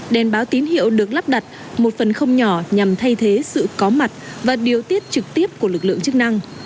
đèn báo tín hiệu được lắp đặt một phần không nhỏ nhằm thay thế sự có mặt và điều tiết trực tiếp của lực lượng chức năng